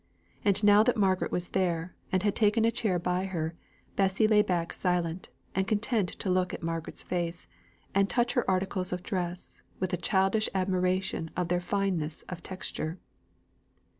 And now that Margaret was there, and had taken a chair by her, Bessy lay back silent, and content to look at Margaret's face, and touch her articles of dress, with a childish admiration of their fineness of texture.